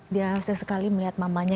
dia sesekali melihat mamanya